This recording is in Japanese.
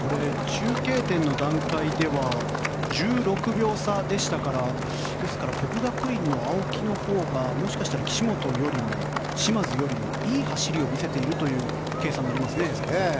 中継点の段階では１６秒差でしたから國學院の青木のほうが岸本や嶋津よりも、いい走りを見せている計算になりますね。